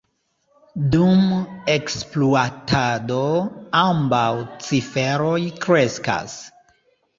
Dum ekspluatado ambaŭ ciferoj kreskas.